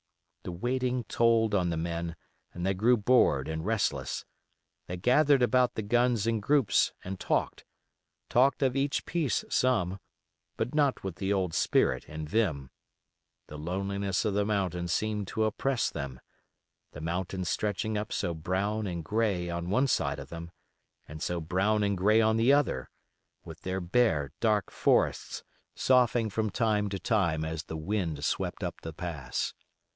The waiting told on the men and they grew bored and restless. They gathered about the guns in groups and talked; talked of each piece some, but not with the old spirit and vim; the loneliness of the mountain seemed to oppress them; the mountains stretching up so brown and gray on one side of them, and so brown and gray on the other, with their bare, dark forests soughing from time to time as the wind swept up the pass.